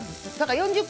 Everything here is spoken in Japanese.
４０分